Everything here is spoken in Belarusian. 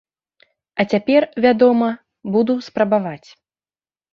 А цяпер, вядома, буду спрабаваць.